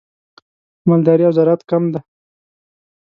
مالداري او زراعت کم دي.